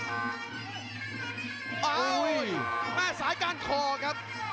อ้าวแม่สายกลางคอครับ